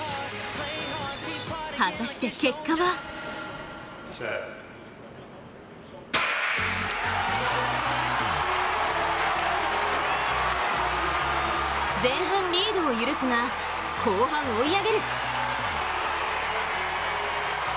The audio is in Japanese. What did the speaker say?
果たして結果は前半、リードを許すが後半、追い上げる。